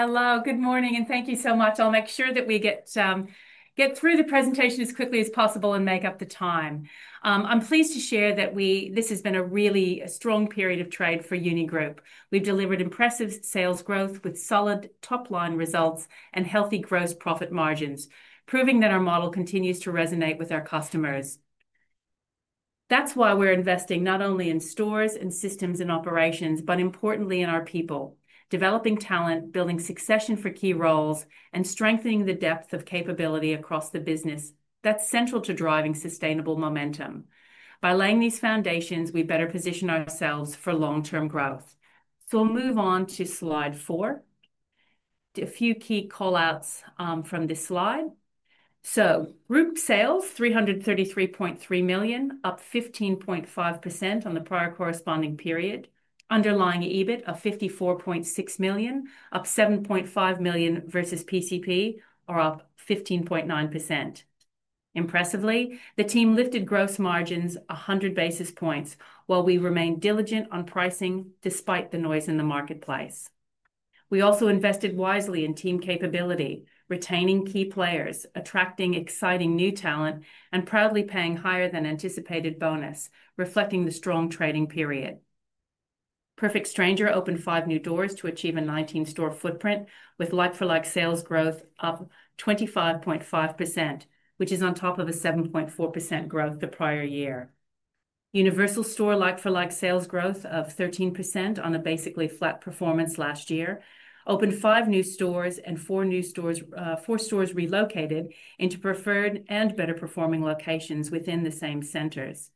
Hello, good morning, and thank you so much. I'll make sure that we get through the presentation as quickly as possible and make up the time. I'm pleased to share that we, this has been a really strong period of trade for Uni group. We've delivered impressive sales growth with solid top-line results and healthy gross profit margins, proving that our model continues to resonate with our customers. That's why we're investing not only in stores and systems and operations, but importantly in our people. Developing talent, building succession for key roles, and strengthening the depth of capability across the business. That's central to driving sustainable momentum. By laying these foundations, we better position ourselves for long-term growth. I'll move on to slide four. A few key callouts from this slide. Route sales $333.3 million, up 15.5% on the prior corresponding period. Underlying EBIT of $54.6 million, up $7.5 million versus pcp, or up 15.9%. Impressively, the team lifted gross margins 100 basis points, while we remained diligent on pricing despite the noise in the marketplace. We also invested wisely in team capability, retaining key players, attracting exciting new talent, and proudly paying higher than anticipated bonus, reflecting the strong trading period. Perfect Stranger opened five new doors to achieve a 19-store footprint with like-for-like sales growth up 25.5%, which is on top of a 7.4% growth the prior year. Universal Store like-for-like sales growth of 13% on a basically flat performance last year opened five new stores and four new stores, four stores relocated into preferred and better performing locations within the same centers.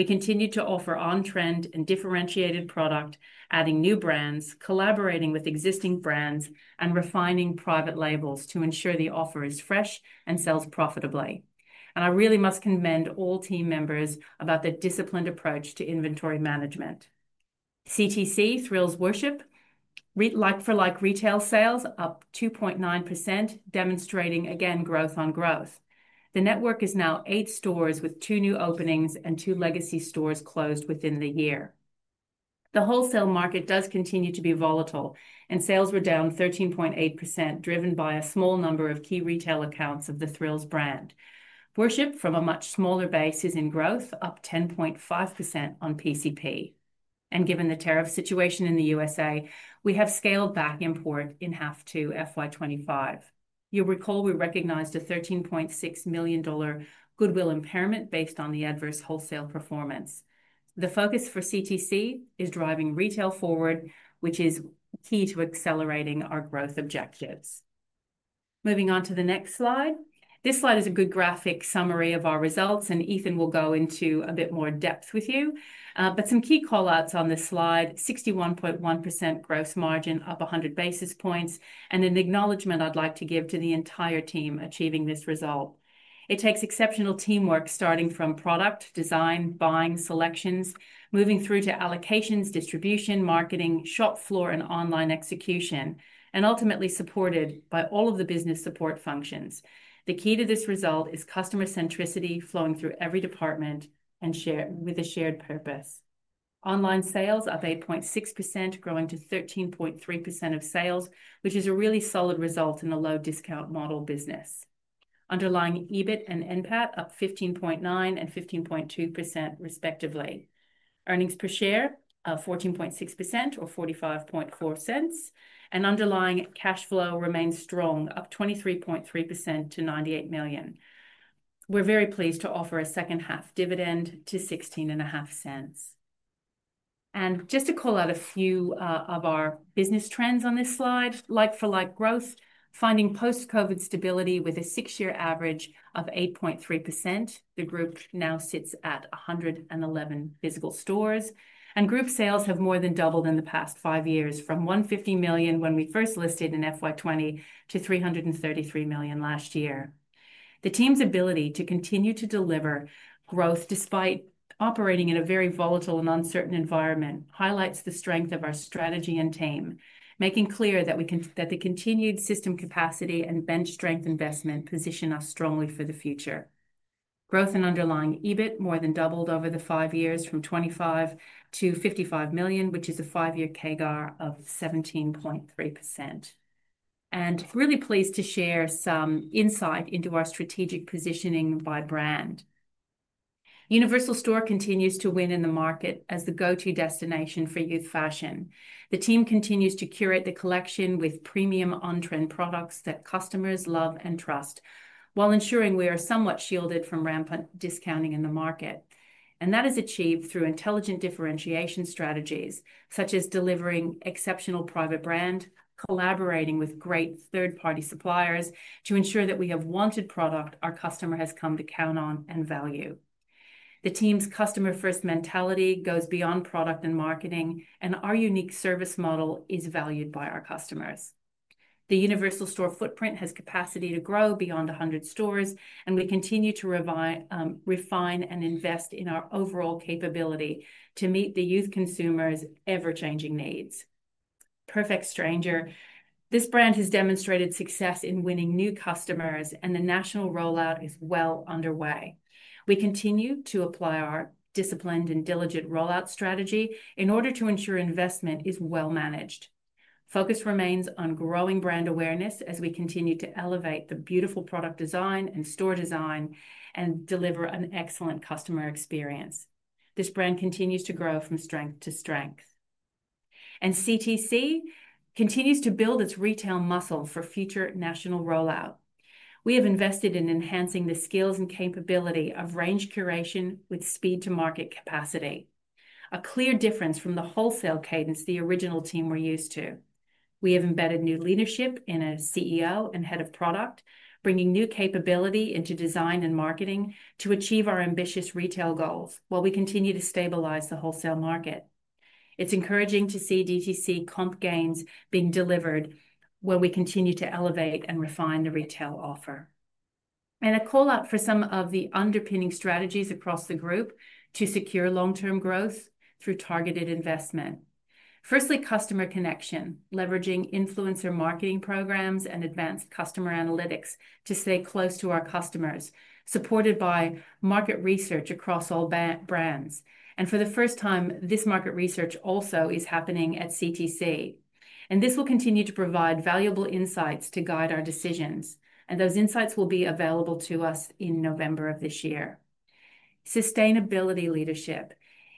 We continue to offer on-trend and differentiated product, adding new brands, collaborating with existing brands, and refining private labels to ensure the offer is fresh and sells profitably. I really must commend all team members about their disciplined approach to inventory management. CTC THRILLS Worship like-for-like retail sales up 2.9%, demonstrating again growth on growth. The network is now eight stores with two new openings and two legacy stores closed within the year. The wholesale market does continue to be volatile, and sales were down 13.8%, driven by a small number of key retail accounts of the THRILLS brand. Worship, from a much smaller base, is in growth, up 10.5% on pcp. Given the tAryff situation in the U.S., we have scaled back import in half to FY 2025. You'll recall we recognized a $13.6 million goodwill impairment based on the adverse wholesale performance. The focus for CTC is driving retail forward, which is key to accelerating our growth objectives. Moving on to the next slide. This slide is a good graphic summary of our results, and Ethan will go into a bit more depth with you. Some key callouts on this slide: 61.1% gross margin, up 100 basis points, and an acknowledgement I'd like to give to the entire team achieving this result. It takes exceptional teamwork starting from product, design, buying, selections, moving through to allocations, distribution, marketing, shop floor, and online execution, and ultimately supported by all of the business support functions. The key to this result is customer centricity flowing through every department and shared with a shared purpose. Online sales up 8.6%, growing to 13.3% of sales, which is a really solid result in the low discount model business. Underlying EBIT and NPAT up 15.9% and 15.2% respectively. Earnings per share, 14.6% or $0.454, and underlying cash flow remains strong, up 23.3% to $98 million. We're very pleased to offer a second half dividend to $0.165. Just to call out a few of our business trends on this slide, like-for-like growth, finding post-COVID stability with a six-year average of 8.3%, the group now sits at 111 physical stores, and group sales have more than doubled in the past five years, from $150 million when we first listed in FY 2020 to $333 million last year. The team's ability to continue to deliver growth despite operating in a very volatile and uncertain environment highlights the strength of our strategy and team, making clear that the continued system capacity and bench strength investment position us strongly for the future. Growth in underlying EBIT more than doubled over the five years, from $25 million to $55 million, which is a five-year CAGR of 17.3%. Really pleased to share some insight into our strategic positioning by brand. Universal Store continues to win in the market as the go-to destination for youth fashion. The team continues to curate the collection with premium on-trend products that customers love and trust, while ensuring we are somewhat shielded from rampant discounting in the market. That is achieved through intelligent differentiation strategies, such as delivering exceptional private brand, collaborating with great third-party suppliers to ensure that we have wanted product our customer has come to count on and value. The team's customer-first mentality goes beyond product and marketing, and our unique service model is valued by our customers. The Universal Store footprint has capacity to grow beyond 100 stores, and we continue to refine and invest in our overall capability to meet the youth consumers' ever-changing needs. Perfect Stranger has demonstrated success in winning new customers, and the national rollout is well underway. We continue to apply our disciplined and diligent rollout strategy in order to ensure investment is well managed. Focus remains on growing brand awareness as we continue to elevate the beautiful product design and store design and deliver an excellent customer experience. This brand continues to grow from strength to strength. CTC continues to build its retail muscle for future national rollout. We have invested in enhancing the skills and capability of range curation with speed-to-market capacity, a clear difference from the wholesale cadence the original team were used to. We have embedded new leadership in a CEO and head of product, bringing new capability into design and marketing to achieve our ambitious retail goals while we continue to stabilize the wholesale market. It is encouraging to see D2C comp gains being delivered where we continue to elevate and refine the retail offer. A callout for some of the underpinning strategies across the group to secure long-term growth through targeted investment. Firstly, customer connection, leveraging influencer marketing programs and advanced customer analytics to stay close to our customers, supported by market research across all brands. For the first time, this market research also is happening at CTC. This will continue to provide valuable insights to guide our decisions. Those insights will be available to us in November of this year. Sustainability leadership,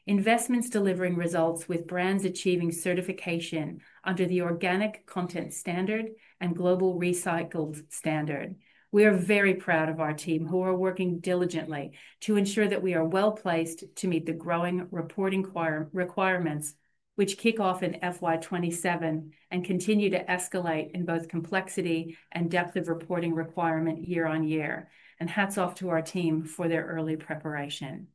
investments delivering results with brands achieving certification under the Organic Content Standard and Global Recycled Standard. We are very proud of our team who are working diligently to ensure that we are well placed to meet the growing reporting requirements, which kick off in FY 2027 and continue to escalate in both complexity and depth of reporting requirement year on year. Hats off to our team for their early preparation.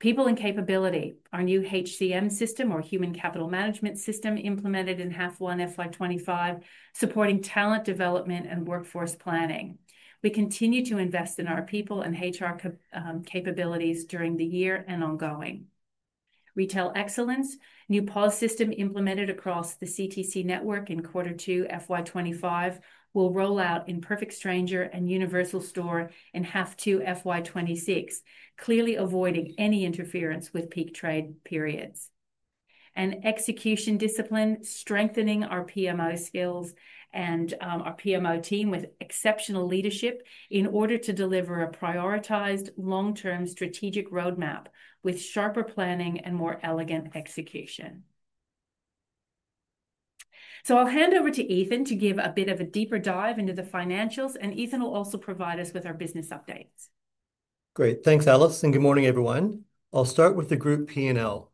People and capability, our new HCM system, or human capital management system, implemented in half one FY 2025, supporting talent development and workforce planning. We continue to invest in our people and HR capabilities during the year and ongoing. Retail excellence, new POS system implemented across the CTC network in quarter two FY 2025, will roll out in Perfect Stranger and Universal Store in half two FY 2026, clearly avoiding any interference with peak trade periods. Execution discipline, strengthening our PMO skills and our PMO team with exceptional leadership in order to deliver a prioritized long-term strategic roadmap with sharper planning and more elegant execution. I'll hand over to Ethan to give a bit of a deeper dive into the financials, and Ethan will also provide us with our business updates. Great, thanks Alice, and good morning everyone. I'll start with the group P&L.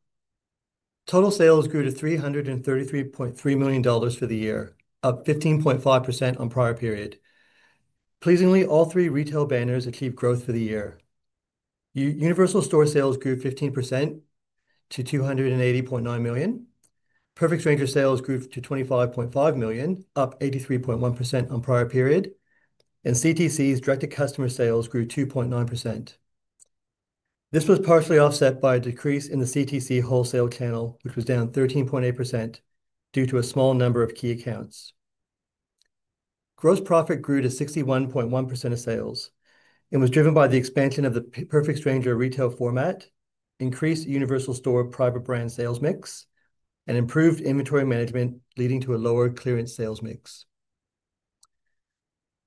Total sales grew to $333.3 million for the year, up 15.5% on prior period. Pleasingly, all three retail banners achieved growth for the year. Universal Store sales grew 15% to $280.9 million. Perfect Stranger sales grew to $25.5 million, up 83.1% on prior period. CTC's direct-to-consumer sales grew 2.9%. This was partially offset by a decrease in the CTC wholesale channel, which was down 13.8% due to a small number of key accounts. Gross profit grew to 61.1% of sales. It was driven by the expansion of the Perfect Stranger retail format, increased Universal Store private brand sales mix, and improved inventory management, leading to a lower clearance sales mix.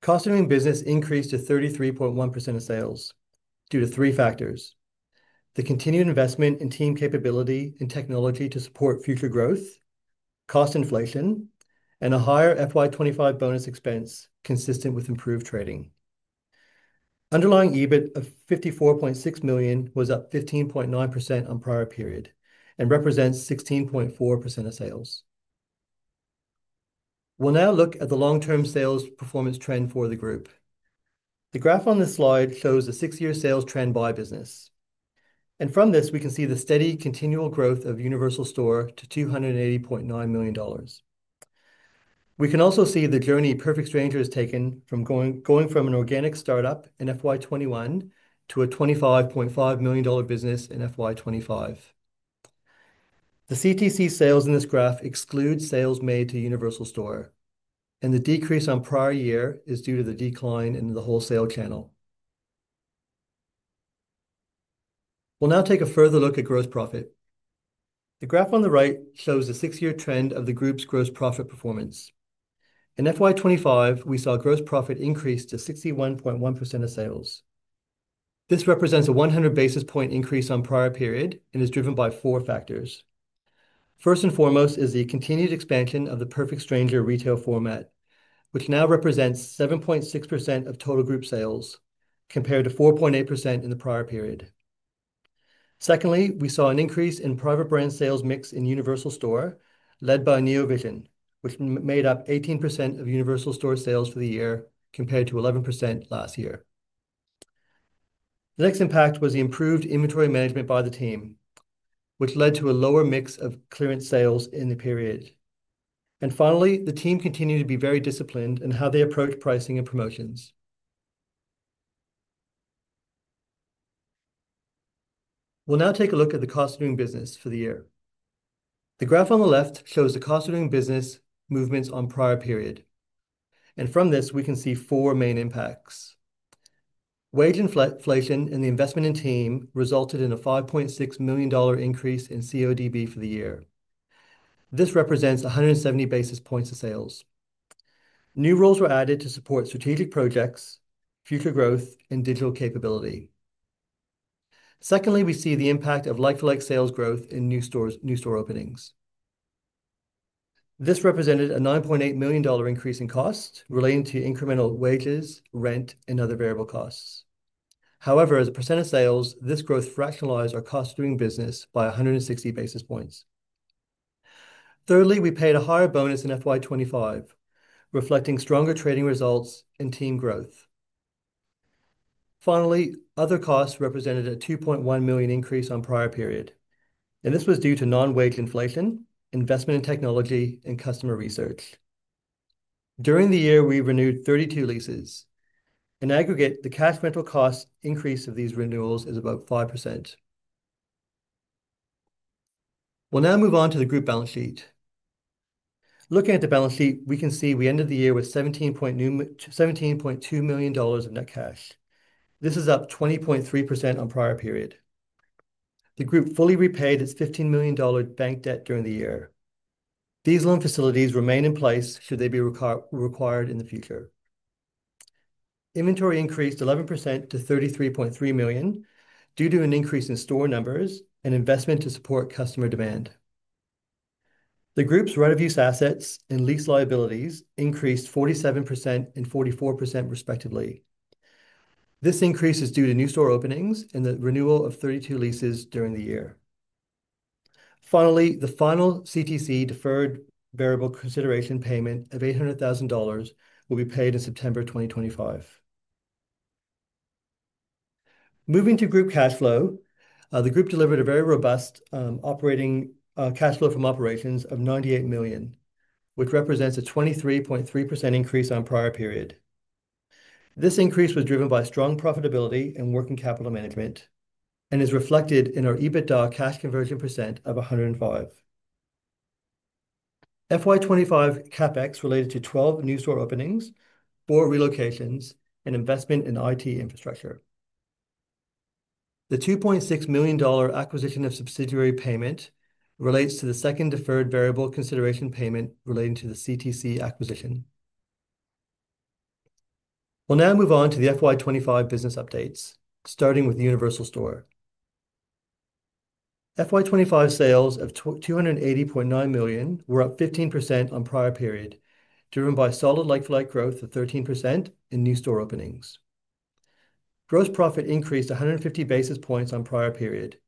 Cost of doing business increased to 33.1% of sales due to three factors: the continued investment in team capability and technology to support future growth, cost inflation, and a higher FY 2025 bonus expense consistent with improved trading. Underlying EBIT of $54.6 million was up 15.9% on prior period and represents 16.4% of sales. We'll now look at the long-term sales performance trend for the group. The graph on this slide shows the six-year sales trend by business. From this, we can see the steady continual growth of Universal Store to $280.9 million. We can also see the journey Perfect Stranger has taken from going from an organic startup in FY21 to a $25.5 million business in FY25. The CTC sales in this graph exclude sales made to Universal Store, and the decrease on prior year is due to the decline in the wholesale channel. We'll now take a further look at gross profit. The graph on the right shows the six-year trend of the group's gross profit performance. In FY 2025, we saw gross profit increase to 61.1% of sales. This represents a 100 basis point increase on prior period and is driven by four factors. First and foremost is the continued expansion of the Perfect Stranger retail format, which now represents 7.6% of total group sales compared to 4.8% in the prior period. Secondly, we saw an increase in private brand sales mix in Universal Store led by Neovision, which made up 18% of Universal Store sales for the year compared to 11% last year. The next impact was the improved inventory management by the team, which led to a lower mix of clearance sales in the period. Finally, the team continued to be very disciplined in how they approached pricing and promotions. We'll now take a look at the cost of doing business for the year. The graph on the left shows the cost of doing business movements on prior period. From this, we can see four main impacts. Wage inflation and the investment in team resulted in a $5.6 million increase in CODB for the year. This represents 170 basis points of sales. New roles were added to support strategic projects, future growth, and digital capability. Secondly, we see the impact of like-for-like sales growth in new store openings. This represented a $9.8 million increase in cost relating to incremental wages, rent, and other vAryable costs. However, as a percent of sales, this growth fractionalized our cost of doing business by 160 basis points. Thirdly, we paid a higher bonus in FY 2025, reflecting stronger trading results and team growth. Finally, other costs represented a $2.1 million increase on prior period. This was due to non-wage inflation, investment in technology, and customer research. During the year, we renewed 32 leases. In aggregate, the cash rental cost increase of these renewals is about 5%. We'll now move on to the group balance sheet. Looking at the balance sheet, we can see we ended the year with $17.2 million of net cash. This is up 20.3% on prior period. The group fully repaid its $15 million bank debt during the year. These loan facilities remain in place should they be required in the future. Inventory increased 11% to $33.3 million due to an increase in store numbers and investment to support customer demand. The group's right-of-use assets and lease liabilities increased 47% and 44% respectively. This increase is due to new store openings and the renewal of 32 leases during the year. Finally, the final CTC deferred vAryable consideration payment of $800,000 will be paid in September 2025. Moving to group cash flow, the group delivered a very robust operating cash flow from operations of $98 million, which represents a 23.3% increase on prior period. This increase was driven by strong profitability and working capital management and is reflected in our EBITDA cash conversion percent of 105. FY 2025 CapEx related to 12 new store openings or relocations and investment in IT infrastructure. The $2.6 million acquisition of subsidiary payment relates to the second deferred vAryable consideration payment relating to the CTC acquisition. We'll now move on to the FY 2025 business updates, starting with the Universal Store. FY 2025 sales of $280.9 million were up 15% on prior period, driven by solid like-for-like growth of 13% in new store openings. Gross profit increased 150 basis points on prior period.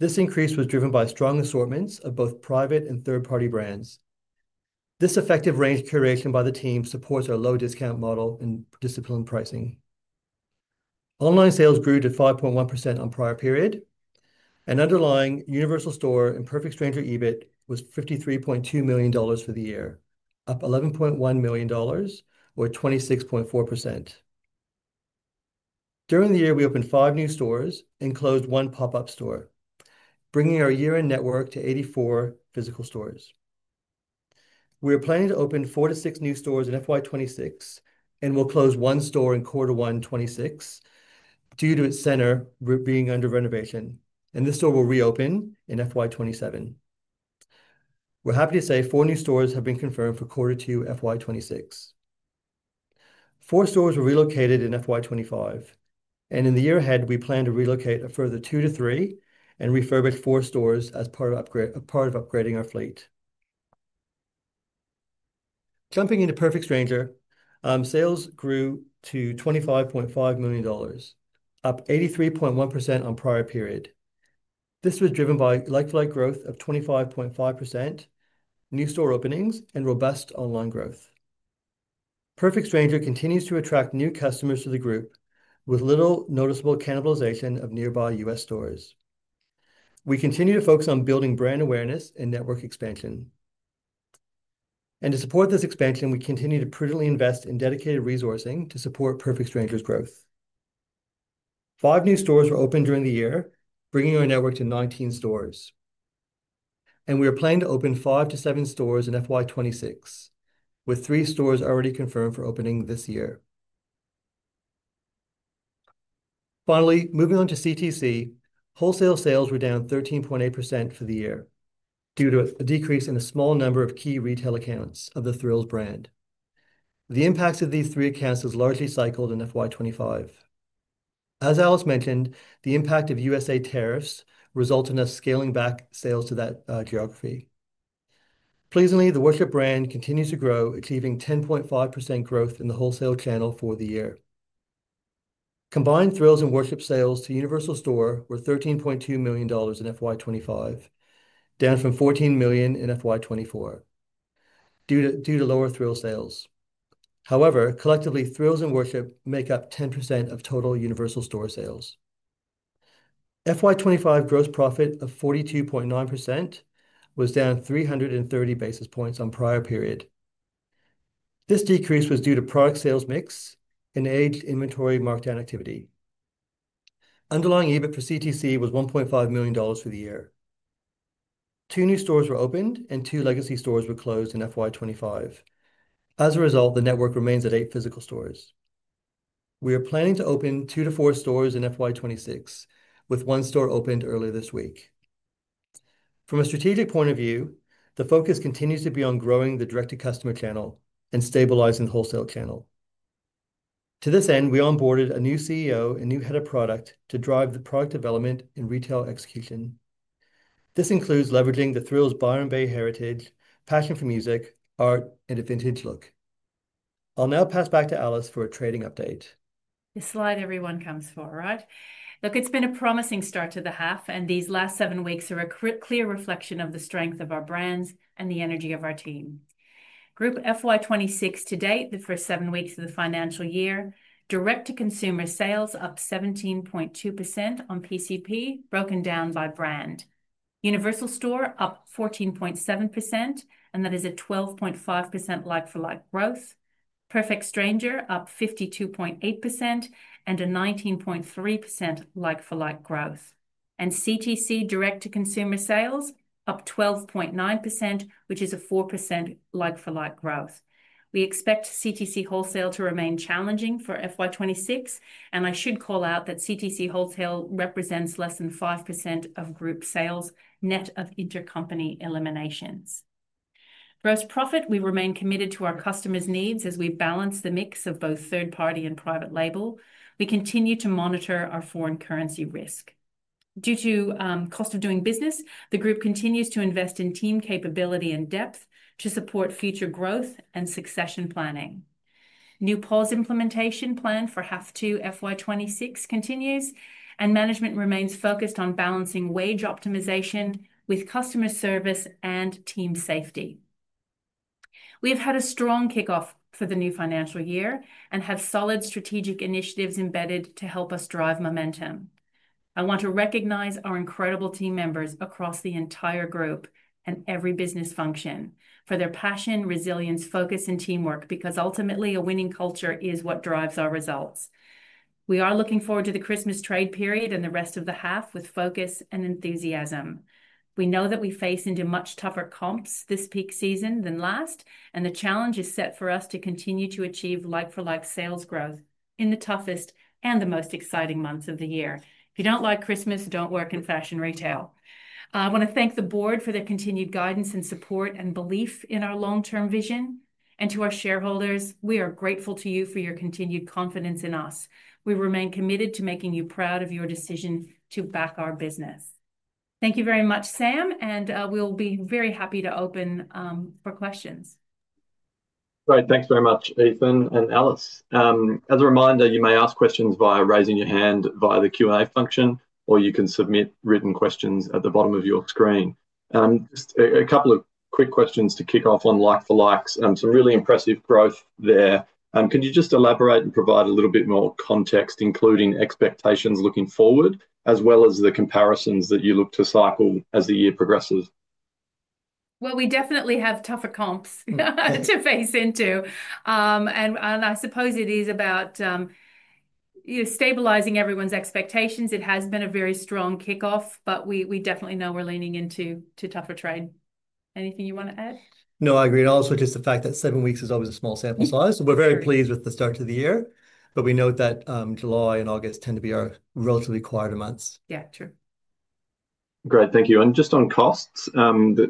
This increase was driven by strong assortments of both private and third-party brands. This effective range curation by the team supports our low discount model and disciplined pricing. Online sales grew to 5.1% on prior period. Underlying Universal Store and Perfect Stranger EBIT was $53.2 million for the year, up $11.1 million or 26.4%. During the year, we opened five new stores and closed one pop-up store, bringing our year-end network to 84 physical stores. We are planning to open four to six new stores in FY 2026 and will close one store in quarter one 2026 due to its center being under renovation, and this store will reopen in FY 2027. We're happy to say four new stores have been confirmed for quarter two FY 2026. Four stores were relocated in FY 2025, and in the year ahead, we plan to relocate a further two to three and refurbish four stores as part of upgrading our fleet. Jumping into Perfect Stranger, sales grew to $25.5 million, up 83.1% on prior period. This was driven by like-for-like growth of 25.5%, new store openings, and robust online growth. Perfect Stranger continues to attract new customers to the group with little noticeable cannibalization of nearby Universal Store stores. We continue to focus on building brand awareness and network expansion. To support this expansion, we continue to prudently invest in dedicated resourcing to support Perfect Stranger's growth. Five new stores were opened during the year, bringing our network to 19 stores. We are planning to open five to seven stores in FY 2026, with three stores already confirmed for opening this year. Finally, moving on to CTC, wholesale sales were down 13.8% for the year due to a decrease in a small number of key retail accounts of the THRILLS brand. The impacts of these three key accounts are largely cycled in FY 2025. As Alice mentioned, the impact of U.S.A. tariffs resulted in us scaling back sales to that geography. Pleasingly, the Worship brand continues to grow, achieving 10.5% growth in the wholesale channel for the year. Combined THRILLS and Worship sales to Universal Store were $13.2 million in FY 2025, down from $14 million in FY 2024 due to lower THRILLS sales. However, collectively, THRILLS and Worship make up 10% of total Universal Store sales. FY 2025 gross profit of 42.9% was down 330 basis points on prior period. This decrease was due to product sales mix and aged inventory markdown activity. Underlying EBIT for CTC was $1.5 million for the year. Two new stores were opened and two legacy stores were closed in FY 2025. As a result, the network remains at eight physical stores. We are planning to open two to four stores in FY 2026, with one store opened earlier this week. From a strategic point of view, the focus continues to be on growing the direct-to-consumer channel and stabilizing the wholesale channel. To this end, we onboarded a new CEO and new head of product to drive the product development and retail execution. This includes leveraging the THRILLS Byron Bay heritage, passion for music, art, and a vintage look. I'll now pass back to Alice for a trading update. This slide everyone comes for, right? Look, it's been a promising start to the half, and these last seven weeks are a clear reflection of the strength of our brands and the energy of our team. Group FY 2026 to date, the first seven weeks of the financial year, direct-to-consumer sales up 17.2% on pcp, broken down by brand. Universal Store up 14.7%, and that is a 12.5% like-for-like growth. Perfect Stranger up 52.8% and a 19.3% like-for-like growth. CTC direct-to-consumer sales up 12.9%, which is a 4% like-for-like growth. We expect CTC wholesale to remain challenging for FY 2026, and I should call out that CTC wholesale represents less than 5% of group sales net of intercompany eliminations. Gross profit, we remain committed to our customers' needs as we balance the mix of both third-party and private label. We continue to monitor our foreign currency risk. Due to cost of doing business, the group continues to invest in team capability and depth to support future growth and succession planning. New POS implementation plan for half two FY 2026 continues, and management remains focused on balancing wage optimization with customer service and team safety. We have had a strong kickoff for the new financial year and have solid strategic initiatives embedded to help us drive momentum. I want to recognize our incredible team members across the entire group and every business function for their passion, resilience, focus, and teamwork, because ultimately a winning culture is what drives our results. We are looking forward to the Christmas trade period and the rest of the half with focus and enthusiasm. We know that we face into much tougher comps this peak season than last, and the challenge is set for us to continue to achieve like-for-like sales growth in the toughest and the most exciting months of the year. If you don't like Christmas, don't work in fashion retail. I want to thank the board for their continued guidance and support and belief in our long-term vision. To our shareholders, we are grateful to you for your continued confidence in us. We remain committed to making you proud of your decision to back our business. Thank you very much, Sam, and we'll be very happy to open for questions. Great, thanks very much, Ethan and Alice. As a reminder, you may ask questions via raising your hand via the Q&A function, or you can submit written questions at the bottom of your screen. A couple of quick questions to kick off on like-for-likes. Some really impressive growth there. Can you just elaborate and provide a little bit more context, including expectations looking forward, as well as the compArysons that you look to cycle as the year progresses? We definitely have tougher comps to face into. I suppose it is about stabilizing everyone's expectations. It has been a very strong kickoff, but we definitely know we're leaning into tougher trade. Anything you want to add? No, I agree. I'll also just add the fact that seven weeks is always a small sample size. We're very pleased with the start of the year, but we note that July and August tend to be our relatively quieter months. Yeah, true. Great, thank you. Just on costs, the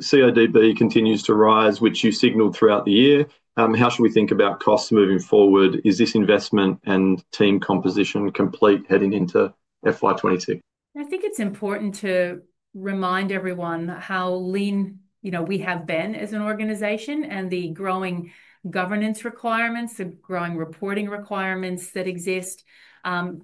cost of doing business continues to rise, which you signaled throughout the year. How should we think about costs moving forward? Is this investment and team composition complete heading into FY 2022? I think it's important to remind everyone how lean we have been as an organization and the growing governance requirements, the growing reporting requirements that exist.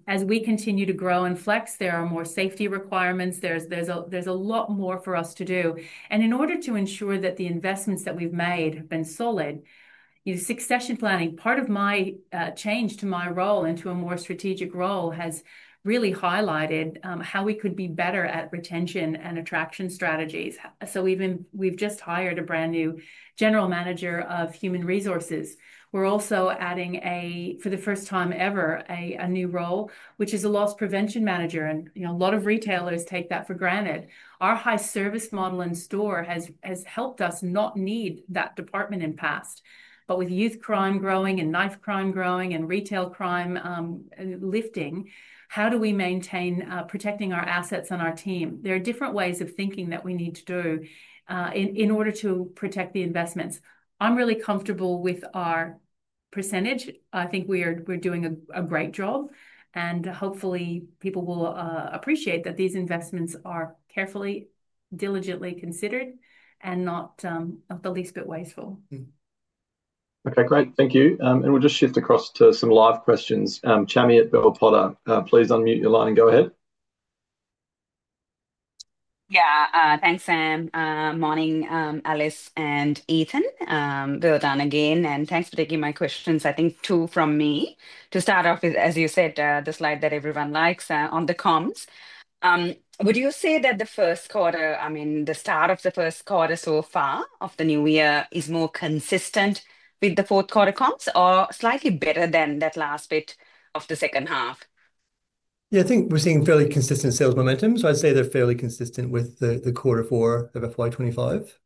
As we continue to grow and flex, there are more safety requirements. There's a lot more for us to do. In order to ensure that the investments that we've made have been solid, succession planning, part of my change to my role into a more strategic role has really highlighted how we could be better at retention and attraction strategies. We've just hired a brand new general manager of human resources. We're also adding, for the first time ever, a new role, which is a loss prevention manager. A lot of retailers take that for granted. Our high service model in store has helped us not need that department in the past. With youth crime growing and knife crime growing and retail crime lifting, how do we maintain protecting our assets and our team? There are different ways of thinking that we need to do in order to protect the investments. I'm really comfortable with our percentage. I think we're doing a great job. Hopefully, people will appreciate that these investments are carefully, diligently considered and not a least bit wasteful. Okay, great, thank you. We'll just shift across to some live questions. Chami at Bell Potter, please unmute your line and go ahead. Yeah, thanks, Sam. Morning, Alice and Ethan. Well done again, and thanks for taking my questions. I think two from me. To start off with, as you said, the slide that everyone likes on the comps. Would you say that the first quarter, I mean, the start of the first quarter so far of the new year is more consistent with the fourth quarter comps or slightly better than that last bit of the second half? Yeah, I think we're seeing fairly consistent sales momentum. I'd say they're fairly consistent with the quarter four of FY 2025.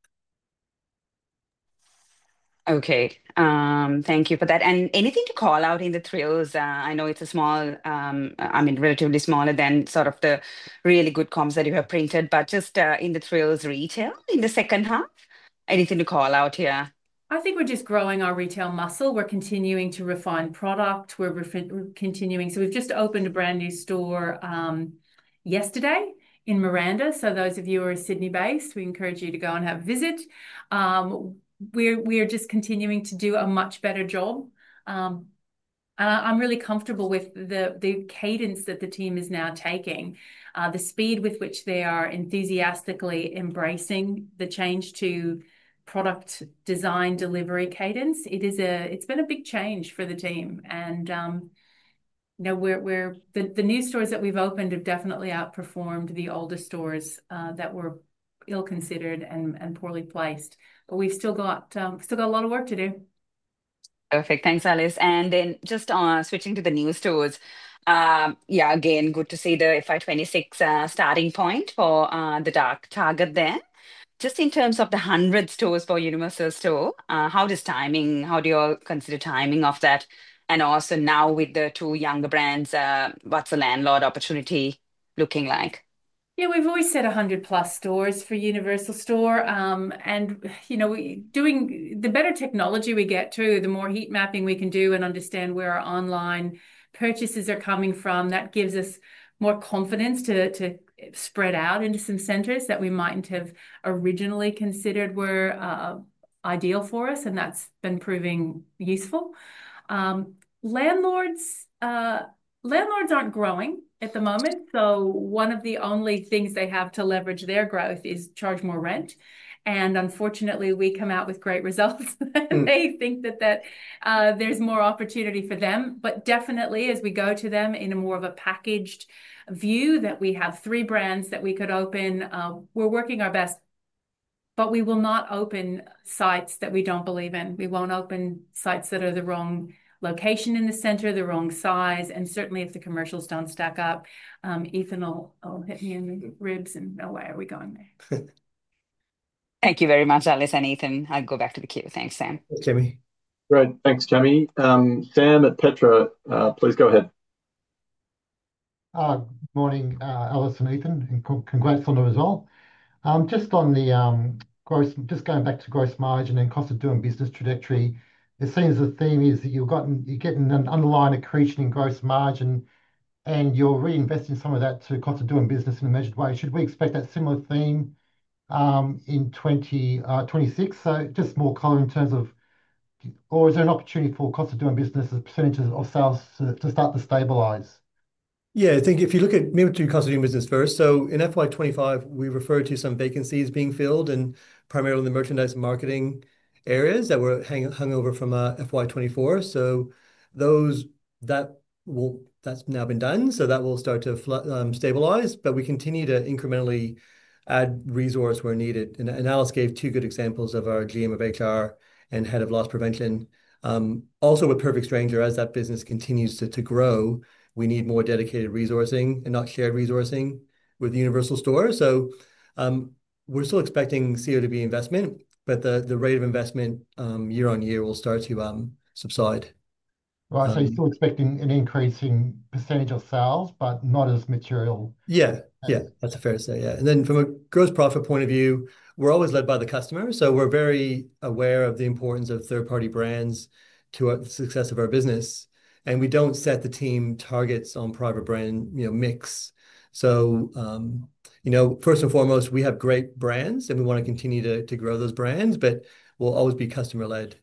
Thank you for that. Anything to call out in the THRILLS? I know it's a small, I mean, relatively smaller than sort of the really good comps that you have printed, but just in the THRILLS retail in the second half, anything to call out here? I think we're just growing our retail muscle. We're continuing to refine product. We're continuing. We just opened a brand new store yesterday in Miranda. Those of you who are Sydney-based, we encourage you to go and have a visit. We're just continuing to do a much better job. I'm really comfortable with the cadence that the team is now taking, the speed with which they are enthusiastically embracing the change to product design delivery cadence. It's been a big change for the team. The new stores that we've opened have definitely outperformed the older stores that were ill-considered and poorly placed. We've still got a lot of work to do. Perfect, thanks Alice. Just switching to the new stores, it's good to see the FY 2026 starting point for the dark target. In terms of the 100 stores for Universal Store, how does timing, how do you all consider timing of that? Also, now with the two younger brands, what's the landlord opportunity looking like? Yeah, we've always said 100+ stores for Universal Store. You know, the better technology we get to, the more heat mapping we can do and understand where our online purchases are coming from, that gives us more confidence to spread out into some centers that we mightn't have originally considered were ideal for us. That's been proving useful. Landlords aren't growing at the moment. One of the only things they have to leverage their growth is charge more rent. Unfortunately, we come out with great results. They think that there's more opportunity for them. As we go to them in more of a packaged view that we have three brands that we could open, we're working our best. We will not open sites that we don't believe in. We won't open sites that are the wrong location in the center, the wrong size. Certainly, if the commercials don't stack up, Ethan will hit me in the ribs and know why are we going there. Thank you very much, Alice and Ethan. I'll go back to the queue. Thanks, Sam. Great, thanks Chami. Sam at Petra, please go ahead. Morning, Alice and Ethan. Congrats on the result. Just on the gross, just going back to gross margin and cost of doing business trajectory, it seems the theme is that you've gotten, you're getting an underlying accretion in gross margin and you're reinvesting some of that to cost of doing business in a measured way. Should we expect that similar theme in 2026? Just more color in terms of, or is there an opportunity for cost of doing business as percentage of sales to start to stabilize? Yeah, I think if you look at maybe two cost of doing business first. In FY 2025, we referred to some vacancies being filled, primAryly in the merchandise and marketing areas that were hung over from FY 2024. Those, that will, that's now been done. That will start to stabilize. We continue to incrementally add resource where needed. Alice gave two good examples of our GM of HR and head of loss prevention. Also, with Perfect Stranger, as that business continues to grow, we need more dedicated resourcing and not shared resourcing with the Universal Store. We're still expecting CODB investment, but the rate of investment year on year will start to subside. Right, so you're still expecting an increasing percentage of sales, but not as material. Yeah, that's fair to say. From a gross profit point of view, we're always led by the customer. We're very aware of the importance of third-party brands to the success of our business, and we don't set the team targets on private brand mix. First and foremost, we have great brands and we want to continue to grow those brands, but we'll always be customer-led.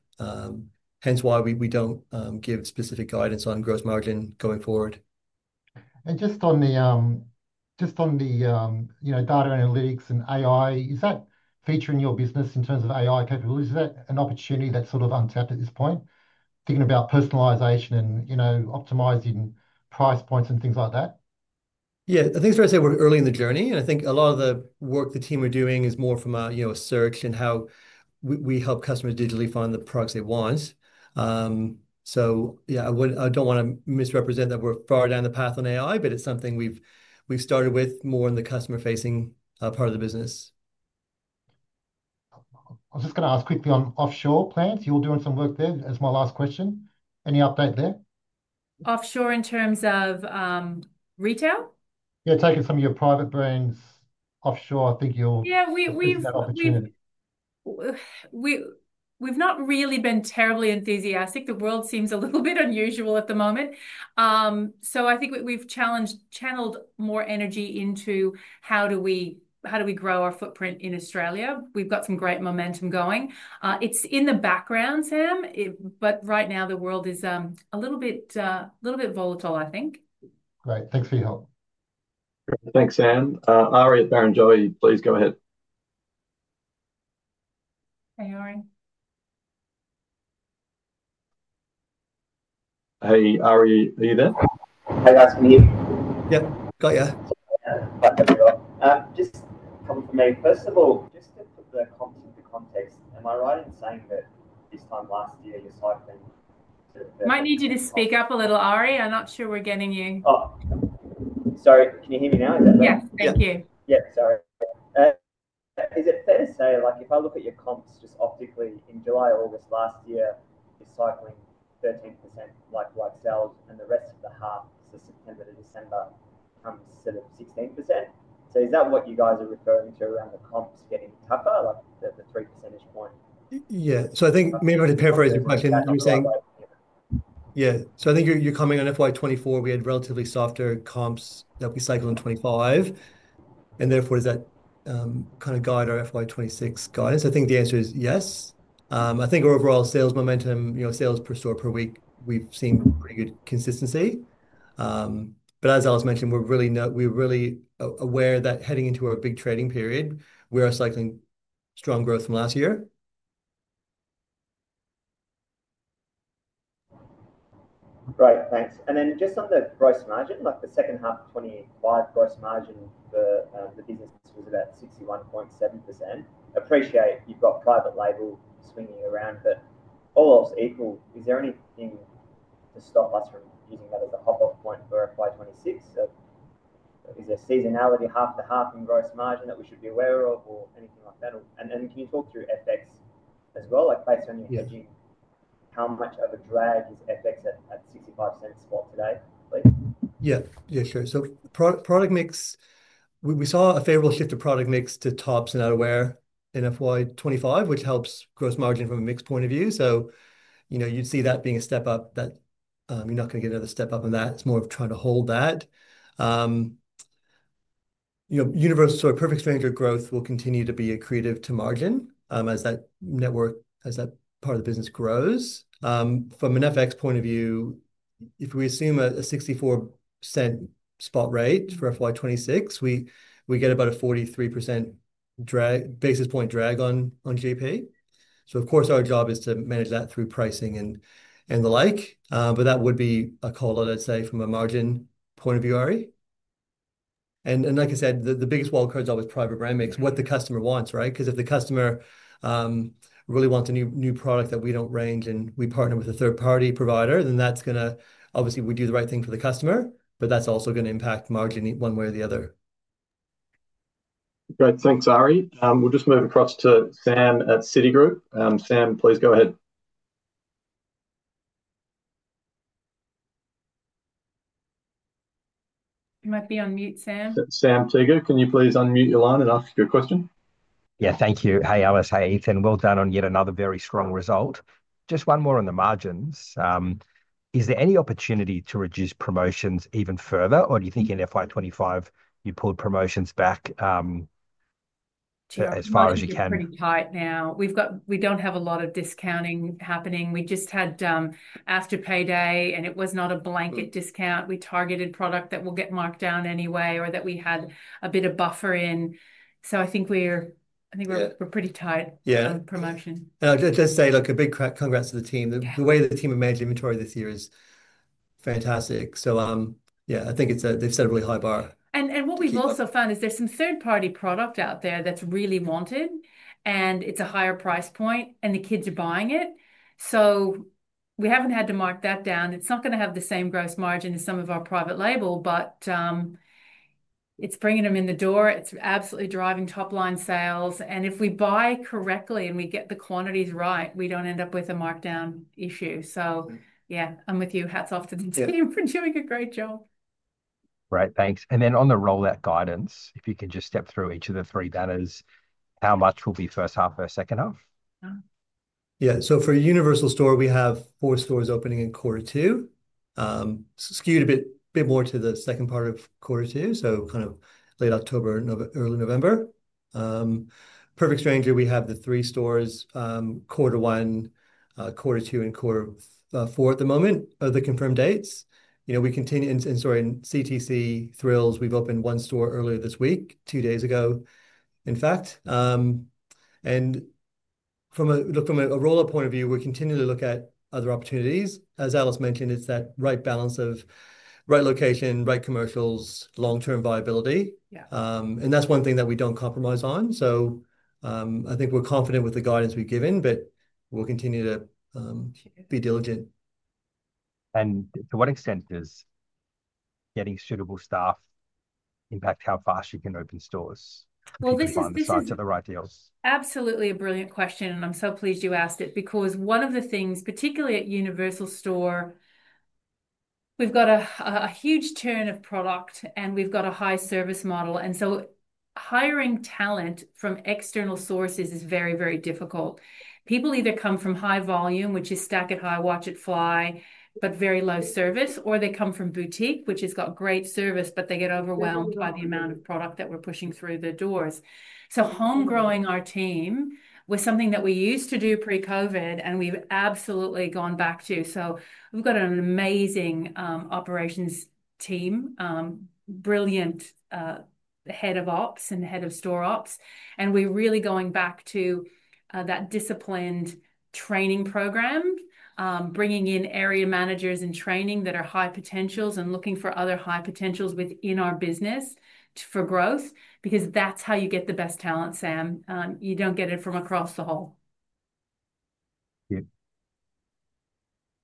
Hence why we don't give specific guidance on gross margin going forward. On the data analytics and AI, is that featuring in your business in terms of AI capabilities? Is that an opportunity that's sort of untapped at this point? Thinking about personalization and optimizing price points and things like that. I think it's fair to say we're early in the journey. I think a lot of the work the team are doing is more from a search and how we help customers digitally find the products they want. I don't want to misrepresent that we're far down the path on AI, but it's something we've started with more in the customer-facing part of the business. I was just going to ask quickly on offshore plans. You're doing some work there. That's my last question. Any update there? Offshore in terms of retail? Yeah, taking some of your private brands offshore. I think you're looking at that opportunity. We've not really been terribly enthusiastic. The world seems a little bit unusual at the moment. I think we've channeled more energy into how do we grow our footprint in Australia. We've got some great momentum going. It's in the background, Sam, but right now the world is a little bit volatile, I think. Great, thanks for your help. Thanks, Sam. Ary at Barrenjoey, please go ahead. Hey, Ary. Hey, Ary, are you there? Hi, that's me. Yeah, got you. Just to put the context, am I right in saying that this time last year? I might need you to speak up a little, Ary. I'm not sure we're getting you. Sorry, can you hear me now? Yes, thank you. Yeah, sorry. Is it fair to say, like, if I look at your comps just optically in July or August last year, the cycling 13% like sales and the rest of the half, so September to December, comps sit at 16%? Is that what you guys are referring to around the comps getting tougher, like the three percentage point? I think maybe I should paraphrase your question. You were saying, I think you're coming on FY 2024, we had relatively softer comps that we cycled in 2025. Therefore, does that kind of guide our FY 2026 guidance? I think the answer is yes. I think our overall sales momentum, you know, sales per store per week, we've seen pretty good consistency. As Alice mentioned, we're really aware that heading into our big trading period, we are cycling strong growth from last year. Right, thanks. Just on the gross margin, the second half of 2025, gross margin for the business was at 61.7%. Appreciate if you've got a private label swinging around for almost April. Is there anything to stop us from viewing that as the hop-up point for FY 2026? Is there seasonality, half to half in gross margin that we should be aware of or anything like that? Can you talk through FX as well, like based on your view, how much of a drag is FX at $0.65 a day? Yeah, sure. Product mix, we saw a favorable shift of product mix to tops and out of wear in FY 2025, which helps gross margin from a mix point of view. You'd see that being a step up, but you're not going to get another step up on that. It's more of trying to hold that. Universal Perfect Stranger growth will continue to be accretive to margin as that network, as that part of the business grows. From an FX point of view, if we assume a 64% spot rate for FY 2026, we get about a 43 basis point drag on JP. Of course, our job is to manage that through pricing and the like. That would be a call out, I'd say, from a margin point of view, Ary. Like I said, the biggest wildcard job is private brand mix, what the customer wants, right? If the customer really wants a new product that we don't range and we partner with a third-party provider, then that's going to obviously do the right thing for the customer, but that's also going to impact margin one way or the other. Great, thanks, Ary. We'll just move across to Sam at Citi group. Sam, please go ahead. You might be on mute, Sam. Sam Teeger, can you please unmute your line and ask your question? Thank you. Hey, Alice, hey, Ethan, well done on yet another very strong result. Just one more on the margins. Is there any opportunity to reduce promotions even further, or do you think in FY 2025 you pulled promotions back as far as you can? It's pretty tight now. We don't have a lot of discounting happening. We just had after payday, and it was not a blanket discount. We targeted product that will get marked down anyway or that we had a bit of buffer in. I think we're pretty tight on promotion. Yeah, I'd say a big congrats to the team. The way that the team managed inventory this year is fantastic. I think they've set a really high bar. What we've also found is there's some third-party product out there that's really wanted, and it's a higher price point, and the kids are buying it. We haven't had to mark that down. It's not going to have the same gross margin as some of our private label, but it's bringing them in the door. It's absolutely driving top line sales. If we buy correctly and we get the quantities right, we don't end up with a markdown issue. I'm with you. Hats off to the team for doing a great job. Right, thanks. On the rollout guidance, if you can just step through each of the three banners, how much will be first half versus second half? Yeah, for Universal Store, we have four stores opening in quarter two, skewed a bit more to the second part of quarter two, kind of late October, early November. Perfect Stranger, we have the three stores: quarter one, quarter two, and quarter four at the moment are the confirmed dates. We continue, and in CTC THRILLS, we've opened one store earlier this week, two days ago, in fact. From a rollout point of view, we continue to look at other opportunities. As Alice mentioned, it's that right balance of right location, right commercials, long-term viability. That's one thing that we don't compromise on. I think we're confident with the guidance we've given, but we'll continue to be diligent. To what extent does getting suitable staff impact how fast you can open stores? To the right deals? Absolutely a brilliant question, and I'm so pleased you asked it because one of the things, particularly at Universal Store, we've got a huge turn of product and we've got a high service model. Hiring talent from external sources is very, very difficult. People either come from high volume, which is stack it high, watch it fly, but very low service, or they come from boutique, which has got great service, but they get overwhelmed by the amount of product that we're pushing through their doors. Homegrowing our team was something that we used to do pre-COVID and we've absolutely gone back to. We've got an amazing operations team, brilliant head of ops and head of store ops. We're really going back to that disciplined training program, bringing in area managers and training that are high potentials and looking for other high potentials within our business for growth because that's how you get the best talent, Sam. You don't get it from across the hole.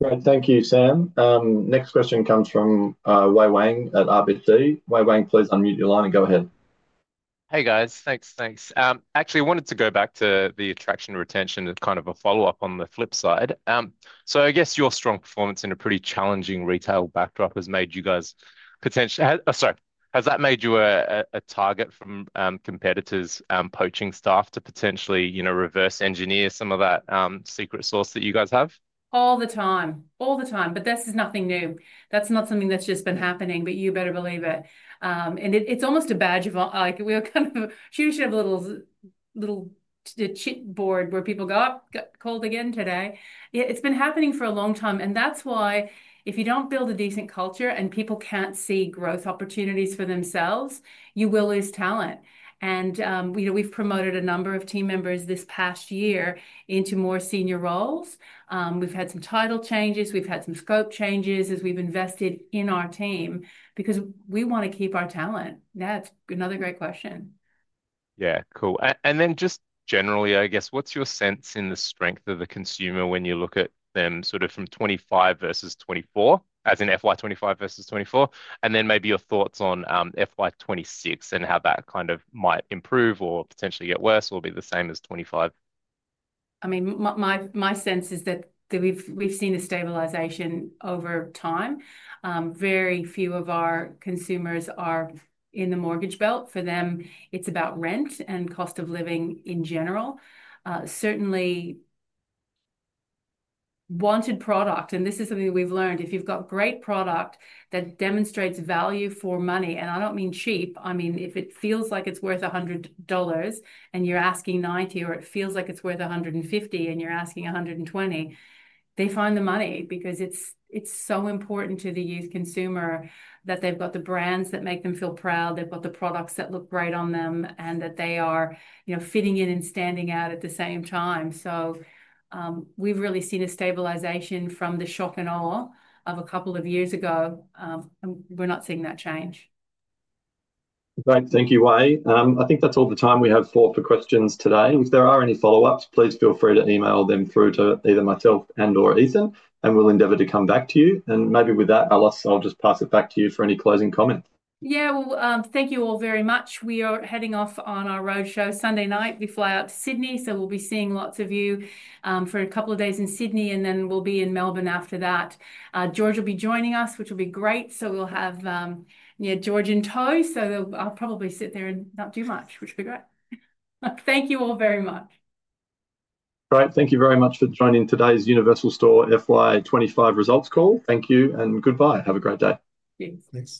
Great, thank you, Sam. Next question comes from Wei-Weng at RBC. Wei-Weng, please unmute your line and go ahead. Hey, thanks. I wanted to go back to the attraction retention as kind of a follow-up on the flip side. I guess your strong performance in a pretty challenging retail backdrop has made you guys potentially, has that made you a target from competitors poaching staff to potentially reverse engineer some of that secret sauce that you guys have? All the time, all the time. This is nothing new. That's not something that's just been happening, but you better believe it. It's almost a badge of, like, we're kind of, should we have a little, little chit board where people go, oh, cold again today. It's been happening for a long time. That's why if you don't build a decent culture and people can't see growth opportunities for themselves, you will lose talent. We've promoted a number of team members this past year into more senior roles. We've had some title changes. We've had some scope changes as we've invested in our team because we want to keep our talent. That's another great question. Yeah, cool. What's your sense in the strength of the consumer when you look at them sort of from 2025 versus 2024, as in FY 2025 versus 2024? Maybe your thoughts on FY 2026 and how that kind of might improve or potentially get worse or be the same as 2025? I mean, my sense is that we've seen a stabilization over time. Very few of our consumers are in the mortgage belt. For them, it's about rent and cost of living in general. Certainly, wanted product, and this is something that we've learned, if you've got great product that demonstrates value for money, and I don't mean cheap, I mean, if it feels like it's worth $100 and you're asking $90, or it feels like it's worth $150 and you're asking $120, they find the money because it's so important to the youth consumer that they've got the brands that make them feel proud, they've got the products that look great on them, and that they are, you know, fitting in and standing out at the same time. We've really seen a stabilization from the shock and awe of a couple of years ago. We're not seeing that change. Great, thank you, Wei. I think that's all the time we have for questions today. If there are any follow-ups, please feel free to email them through to either myself or Ethan, and we'll endeavor to come back to you. Maybe with that, Alice, I'll just pass it back to you for any closing comments. Thank you all very much. We are heading off on our roadshow Sunday night. We fly out to Sydney, so we'll be seeing lots of you for a couple of days in Sydney, and then we'll be in Melbourne after that. George will be joining us, which will be great. We'll have George in tow. I'll probably sit there and not do much, which will be great. Thank you all very much. Great, thank you very much for joining today's Universal Store FY 2025 Results Call. Thank you and goodbye. Have a great day. Thanks.